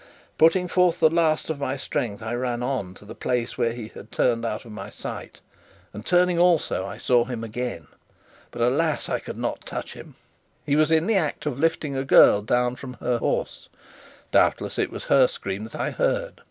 Putting forth the last of my strength, I ran on to the place where he had turned out of my sight, and, turning also, I saw him again. But alas! I could not touch him. He was in the act of lifting a girl down from her horse; doubtless it was her scream that I heard.